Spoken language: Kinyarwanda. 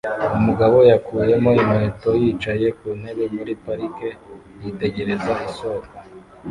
Umugabo yakuyemo inkweto yicaye ku ntebe muri parike yitegereza isoko